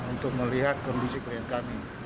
untuk melihat kondisi klien kami